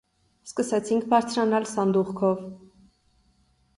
Սկսեցինք բարձրանալ սանդուղքով: